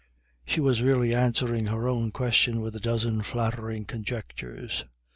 she was really answering her own question with a dozen flattering conjectures.